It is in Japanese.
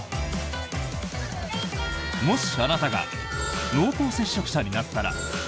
もし、あなたが濃厚接触者になったら。